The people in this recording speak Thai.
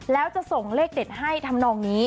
แล้วจะส่งเลขเด็ดให้ทำนองนี้